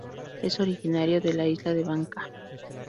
Es originaria de la isla de Bangka.